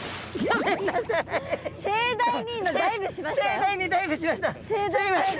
盛大にダイブしました。